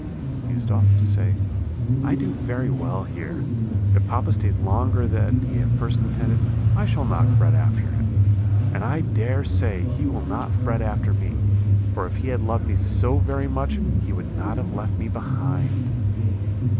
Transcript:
"He used often to say, 'I do very well here; if papa stays longer than he at first intended I shall not fret after him, and I dare say he will not fret after me, for if he had loved me so very much he would not have left me behind.'